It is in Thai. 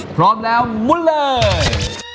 พร้อมแล้วมุนเลย